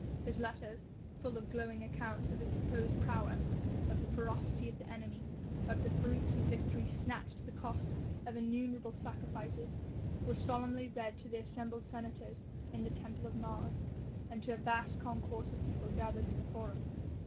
His letters, full of glowing accounts of his supposed prowess, of the ferocity of the enemy, of the fruits of victory snatched at the cost of innumerable sacrifices were solemnly read to the assembled senators in the temple of Mars, and to a vast concourse of people gathered in the Forum.